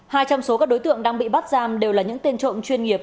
hai trong số các đối tượng đang bị bắt giam đều là những tên trộm chuyên nghiệp